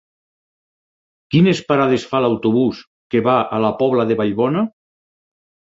Quines parades fa l'autobús que va a la Pobla de Vallbona?